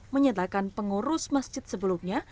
menyatakan pengurus masjid sebelumnya